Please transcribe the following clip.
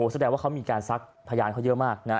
แสดงว่าเขามีการซักพยานเขาเยอะมากนะ